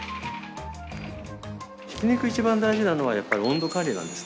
ひき肉一番大事なのはやっぱり温度管理なんですね。